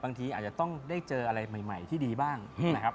บางทีอาจจะต้องได้เจออะไรใหม่ที่ดีบ้างนะครับ